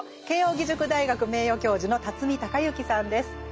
慶應義塾大学名誉教授の孝之さんです。